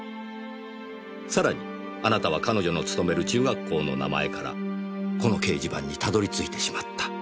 さらにあなたは彼女の勤める中学校の名前からこの掲示板にたどり着いてしまった。